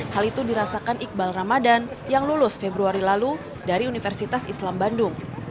hal itu dirasakan iqbal ramadan yang lulus februari lalu dari universitas islam bandung